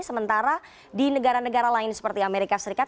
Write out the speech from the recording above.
sementara di negara negara lain seperti amerika serikat